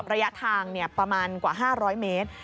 ระยะทางประมาณกว่า๕๐๐เมตร